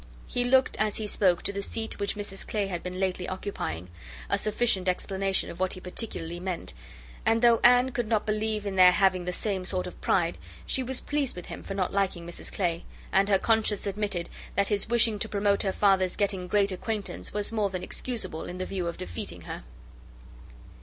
He looked, as he spoke, to the seat which Mrs Clay had been lately occupying: a sufficient explanation of what he particularly meant; and though Anne could not believe in their having the same sort of pride, she was pleased with him for not liking Mrs Clay; and her conscience admitted that his wishing to promote her father's getting great acquaintance was more than excusable in the view of defeating her.